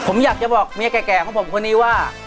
ผมอยากจะบอกเมียแก่ของผมคนนี้ว่า